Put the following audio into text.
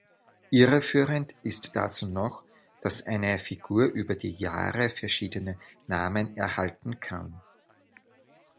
Irreführend ist dazu noch, dass eine Figur über die Jahre verschiedene Namen erhalten kann.